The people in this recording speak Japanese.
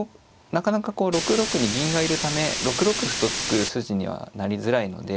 なかなか６六に銀がいるため６六歩と突く筋にはなりづらいので。